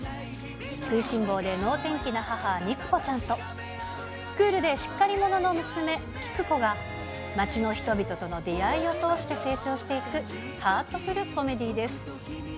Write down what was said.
食いしん坊で能天気な母、肉子ちゃんと、クールでしっかり者の娘、キクコが、街の人々との出会いを通して成長していくハートフルコメディです。